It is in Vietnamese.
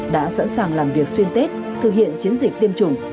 đã sẵn sàng làm việc xuyên tết thực hiện chiến dịch tiêm chủng